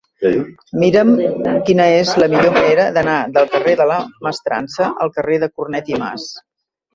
Mira'm quina és la millor manera d'anar del carrer de la Mestrança al carrer de Cornet i Mas.